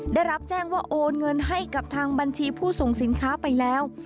ได้รับแจ้งว่าโอนเงินให้กับทางบัญชีผู้ส่งสินค้าไปแล้ว